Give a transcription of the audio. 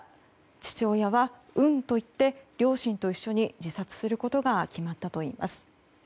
父親は、うんと言って両親と一緒に自殺することが決まったといいます。